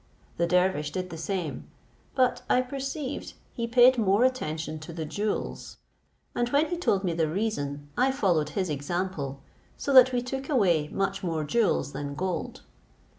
The dervish did the same; but I perceived he paid more attention to the jewels, and when he told me the reason, I followed his example, so that we took away much more jewels than gold.